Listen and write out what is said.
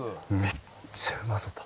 「めっちゃうまそう」